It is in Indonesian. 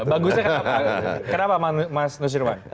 bagusnya kenapa pak kenapa mas nusirman